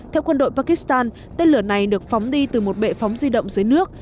theo quân đội pakistan tên lửa này được phóng đi từ một bệ phóng di động dưới nước